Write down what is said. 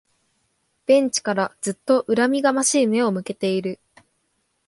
ベンチからずっと恨みがましい目を向けている